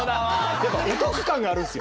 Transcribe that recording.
やっぱお得感があるんですよ。